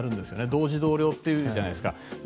同時同量というじゃないですか。